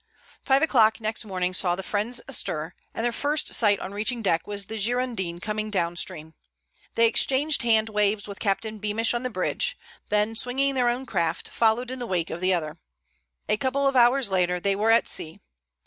Five o'clock next morning saw the friends astir, and their first sight on reaching the deck was the Girondin coming down stream. They exchanged hand waves with Captain Beamish on the bridge, then, swinging their own craft, followed in the wake of the other. A couple of hours later they were at sea.